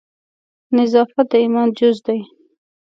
نظافت د ایمان جزء دی.